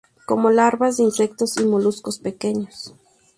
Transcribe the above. Come larvas de insectos y moluscos pequeños.